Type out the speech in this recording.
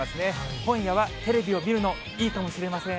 今夜はテレビを見るの、いいかもしれません。